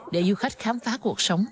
để du khách khám phá cuộc sống